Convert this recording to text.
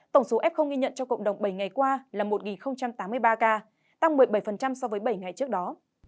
tổng số f ghi nhận trong cộng đồng bảy ngày qua là một tám mươi ba ca tăng một mươi bảy so với bảy ngày trước đó